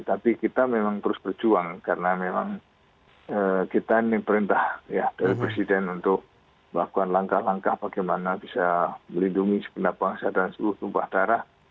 tapi kita memang terus berjuang karena memang kita ini perintah dari presiden untuk melakukan langkah langkah bagaimana bisa melindungi sebenah bangsa dan seluruh tumpah darah